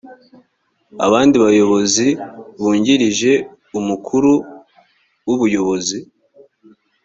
abandi bayobozi bungirije umukuru w ubuyobozi